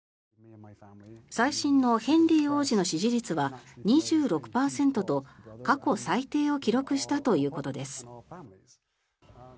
最新のヘンリー王子の支持率は２６％と過去最低を記録したということです。